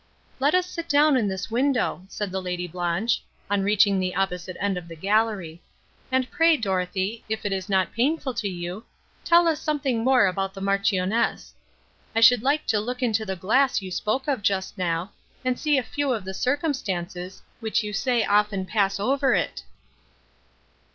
"Let us sit down in this window," said the Lady Blanche, on reaching the opposite end of the gallery: "and pray, Dorothée, if it is not painful to you, tell us something more about the Marchioness. I should like to look into the glass you spoke of just now, and see a few of the circumstances, which you say often pass over it."